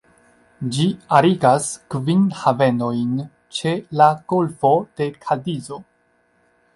Ĝi arigas kvin havenojn ĉe la golfo de Kadizo.